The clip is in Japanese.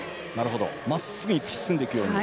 まっすぐに突き進んでいるように。